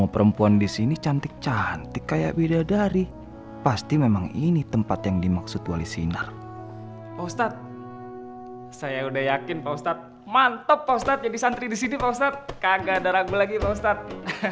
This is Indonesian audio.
tapi santri disini pak ustadz kagak ada ragu lagi pak ustadz